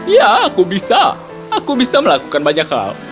ya aku bisa aku bisa melakukan banyak hal